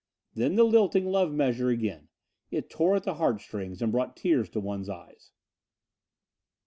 Then the lilting love measure again. It tore at the heart strings, and brought tears to one's eyes.